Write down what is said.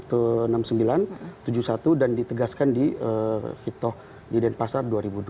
dan ini ketetapan hitoh mutamad ini sudah dari tahun enam puluh sembilan tujuh puluh satu dan ditegaskan di hitoh di denpasar dua ribu dua